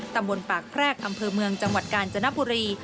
ตำบลปากแพรกอำเภอเมืองจังหวัดกาญจนบุรี